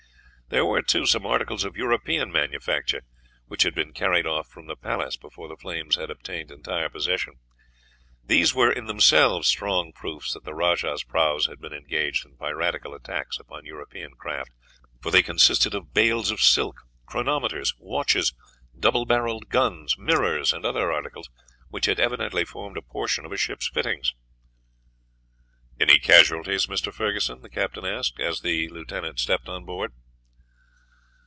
There were, too, some articles of European manufacture, which had been carried off from the palace before the flames had obtained entire possession. These were in themselves strong proofs that the rajah's prahus had been engaged in piratical attacks upon European craft, for they consisted of bales of silk, chronometers, watches, double barreled guns, mirrors, and other articles which had evidently formed a portion of a ship's fittings. "Any casualties, Mr. Ferguson?" the captain asked, as the lieutenant stepped on board.